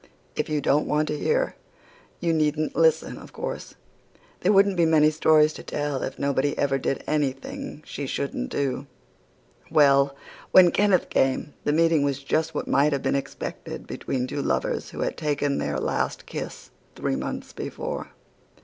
If you don't want to hear it you needn't listen, of course. There wouldn't be many stories to tell if nobody ever did anything she shouldn't do. "Well, when Kenneth came, the meeting was just what might have been expected between two lovers who had taken their last kiss three months before.